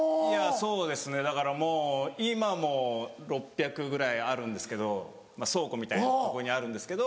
そうですねだからもう今も６００足ぐらいあるんですけど倉庫みたいなとこにあるんですけど。